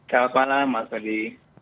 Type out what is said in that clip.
selamat malam mas fadli